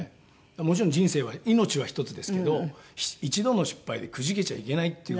もちろん人生は命は一つですけど一度の失敗でくじけちゃいけないっていう。